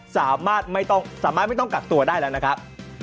สามารถไม่ต้องกักตัวได้แล้วนะครับ